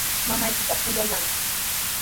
Mamaykita kuyallanki.